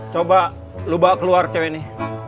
coba lu bawa keluar cewek ini